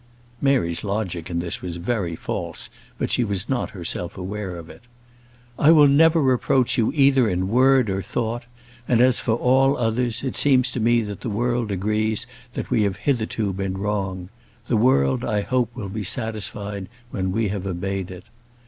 [Mary's logic in this was very false; but she was not herself aware of it.] I will never reproach you either in word or thought; and as for all others, it seems to me that the world agrees that we have hitherto been wrong. The world, I hope, will be satisfied when we have obeyed it.